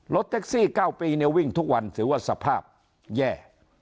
แท็กซี่๙ปีวิ่งทุกวันถือว่าสภาพแย่